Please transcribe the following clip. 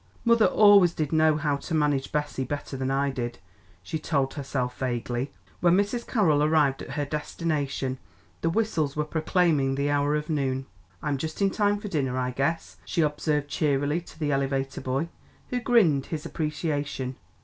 "Mother always did know how to manage Bessie better than I did," she told herself vaguely. When Mrs. Carroll arrived at her destination the whistles were proclaiming the hour of noon. "I'm just in time for dinner, I guess," she observed cheerfully to the elevator boy, who grinned his appreciation.